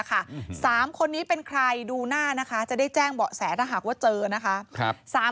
๓คนนี้เป็นใครดูหน้านะคะจะได้แจ้งเบาะแสถ้าหากว่าเจอนะคะ